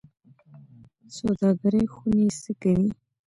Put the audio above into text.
سوداګرۍ خونې څه کوي؟